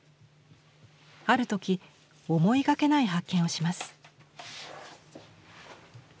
ある時思いがけない発見をします。